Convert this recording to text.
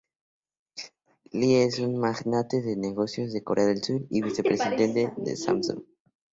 Lee es un magnate de negocios de Corea del Sur y vicepresidente de Samsung.